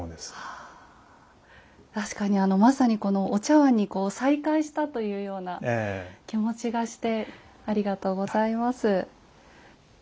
確かにあのまさにこのお茶碗にこう再会したというような気持ちがしてありがとうございます。